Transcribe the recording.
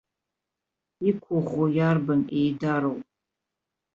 Иқәыӷәӷәо иарбан еидароу?